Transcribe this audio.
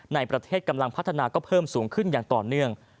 ในประเทศกำลังพัฒนาก็เพิ่มสูงขึ้นอย่างต่อเนื่อง